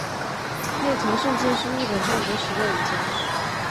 内藤胜介是日本战国时代武将。